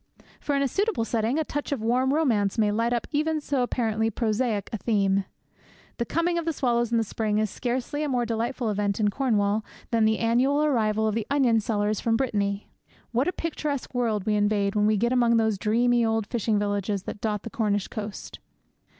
For, in a suitable setting, a touch of warm romance may light up even so apparently prosaic a theme. The coming of the swallows in the spring is scarcely a more delightful event in Cornwall than the annual arrival of the onion sellers from Brittany. What a picturesque world we invade when we get among those dreamy old fishing villages that dot the Cornish coast!